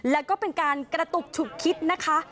แล้วก็เป็นการกระตุกฉุกคิดนะคะ